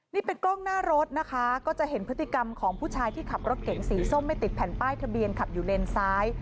นี่เป็นกล้องหน้ารถนะคะก็จะเห็นพฤติกรรมของผู้ชายที่ขับรถเก๋งสีส้มไม่ติดแผ่นป้ายทะเบียนขับอยู่เลนซ้าย